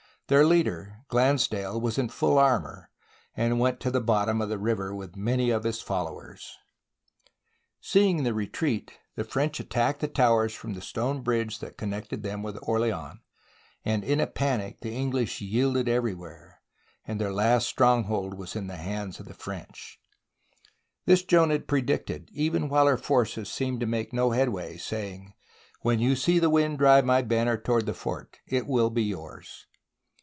Their leader, Glansdale, was in full armour, and went to the bottom of the river with many of his followers. Seeing the retreat, the French attacked the tow ers from the stone bridge that connected them with Orleans, and in a panic the English yielded every where, and their last stronghold was in the hands of the French. THE BOOK OF FAMOUS SIEGES This Joan had predicted even while her forces seemed to make no headway, saying: " When you see the wind drive my banner toward the fort, it will be yours.